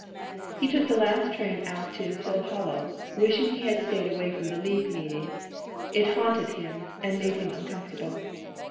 He took the last train out to Hillhollow, wishing he had staid away from the League meeting. It haunted him, and made him uncomfortable.